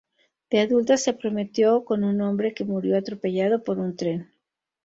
De adulta se prometió con un hombre que murió atropellado por un tren.